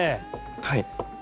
はい。